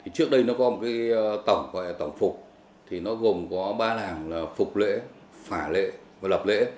có một cái tổng gọi là tổng phục thì nó gồm có ba làng là phục lễ phả lễ và lập lễ